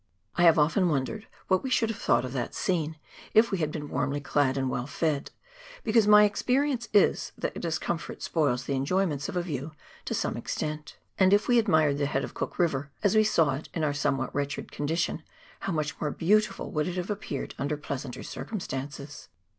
I have often wondered what we should have thought of that scene, if we had been warmly clad and well fed, because my experience is, that discomfort spoils the enjoyments of a view to some extent ; and if we COOK RIVER AND ANCIENT GLACIERS. 147 admired the head of Cook River, as we saw it in our some what wretched condition, how much more beautiful would it have appeared under pleasanter circumstances